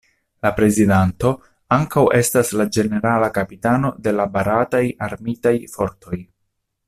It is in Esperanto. La Prezidanto ankaŭ estas la Ĝenerala Kapitano de la Barataj Armitaj Fortoj.